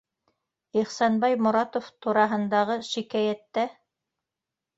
Ихсанбай Моратов тураһындағы шикәйәттә?